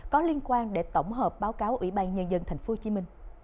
có liên quan để tổng hợp báo cáo ủy ban nhân dân tp hcm